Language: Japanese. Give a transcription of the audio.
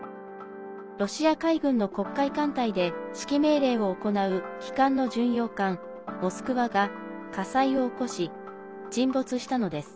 ロシア海軍の黒海艦隊で指揮命令を行う旗艦の巡洋艦「モスクワ」が火災を起こし沈没したのです。